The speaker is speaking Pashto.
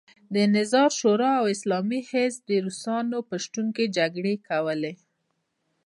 د نظار شورا او اسلامي حزب د روسانو په شتون کې جګړې کولې.